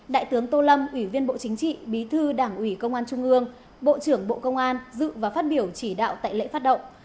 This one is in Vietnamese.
đại tướng tô lâm ủy viên bộ chính trị bí thư đảng ủy công an trung ương bộ trưởng bộ công an dự và phát biểu chỉ đạo tại lễ phát động